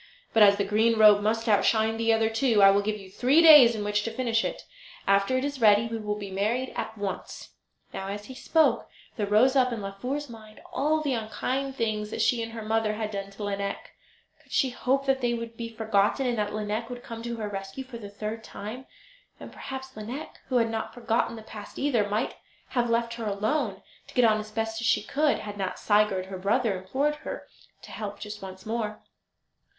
But as the green robe must outshine the other two I will give you three days in which to finish it. After it is ready we will be married at once." Now, as he spoke, there rose up in Laufer's mind all the unkind things that she and her mother had done to Lineik. Could she hope that they would be forgotten, and that Lineik would come to her rescue for the third time? And perhaps Lineik, who had not forgotten the past either, might have left her alone, to get on as best she could, had not Sigurd, her brother, implored her to help just once more.